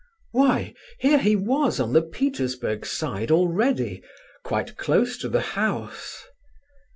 Why, here he was on the Petersburg Side already, quite close to the house!